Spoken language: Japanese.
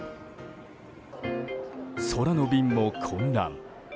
空の便も混乱。